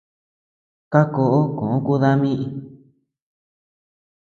Kakó koʼo ku dami.